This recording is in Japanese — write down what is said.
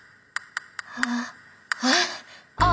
ああああ